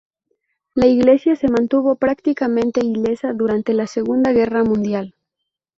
La iglesia se mantuvo prácticamente ilesa durante la Segunda Guerra Mundial.